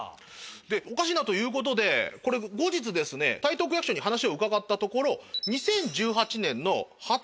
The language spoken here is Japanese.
でおかしいなということで後日台東区役所に話を伺ったところ。